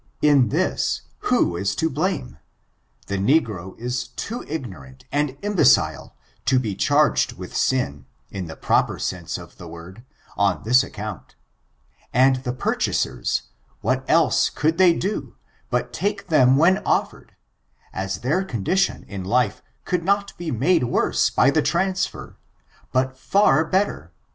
In thiSj who is to blame ? The negro is too Ignorant and imbecile to be charged with sin, in the proper sense of the word, on Ais accoimt ; and the purchasers, what else could they do but take them ti^hen offered, as their condition in life could not be made worse by the transfer, but far better